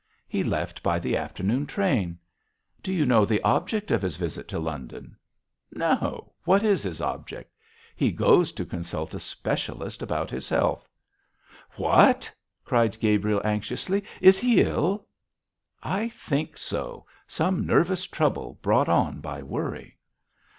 'He left by the afternoon train. Do you know the object of his visit to London?' 'No. What is his object?' 'He goes to consult a specialist about his health.' 'What!' cried Gabriel, anxiously. 'Is he ill?' 'I think so; some nervous trouble brought on by worry.'